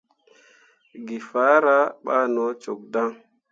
Geefahra ɓah no cok dan.